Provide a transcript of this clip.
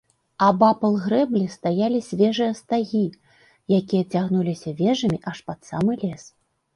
Абапал грэблі стаялі свежыя стагі, якія цягнуліся вежамі аж пад самы лес.